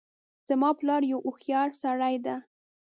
زما پلار یو هوښیارسړی ده